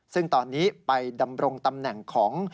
ซึ่งตอนนี้ไปดำรงตำแหน่งของ